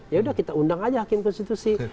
yaudah kita undang aja hakim konstitusi